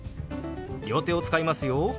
両手を使いますよ。